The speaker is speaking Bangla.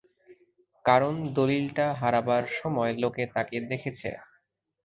কারণ দলিলটা হারাবার সময় লোকে তাকে দেখেছে।